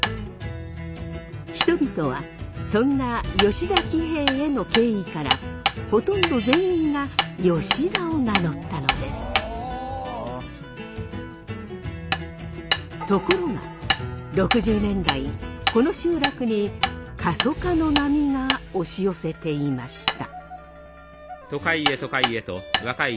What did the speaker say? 人々はそんな吉田喜兵衛への敬意からところが６０年代この集落に過疎化の波が押し寄せていました。